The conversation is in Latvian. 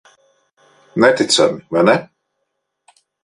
Neticami, vai ne?